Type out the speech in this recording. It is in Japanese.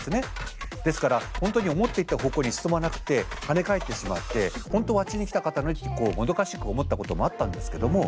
ですから本当に思っていた方向に進まなくて跳ね返ってしまって本当はあっちに行きたかったのにってこうもどかしく思ったこともあったんですけども。